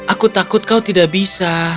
aku takut kau tidak bisa